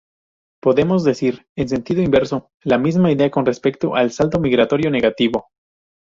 Podemos decir, en sentido inverso, la misma idea con respecto al saldo migratorio negativo.